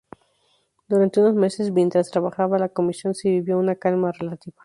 Durante unos meses, mientras trabajaba la Comisión, se vivió una calma relativa.